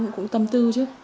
cũng tâm tư chứ